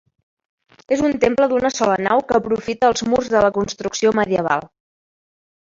És un temple d'una sola nau que aprofita els murs de la construcció medieval.